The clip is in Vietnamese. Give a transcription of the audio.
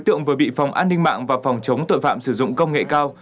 các đối tượng vừa bị phòng an ninh mạng và phòng chống tội phạm sử dụng công nghệ cao